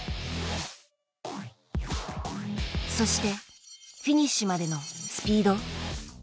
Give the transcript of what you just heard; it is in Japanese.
そしてフィニッシュまでのスピード。